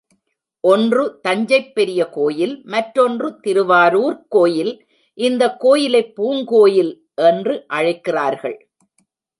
ஒன்று தஞ்சைப் பெரிய கோயில் மற்றொன்று திருவாரூர்க் கோயில், இந்தக் கோயிலைப் பூங்கோயில் என்று அழைக்கிறார்கள்.